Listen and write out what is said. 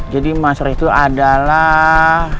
jadi mas ritu adalah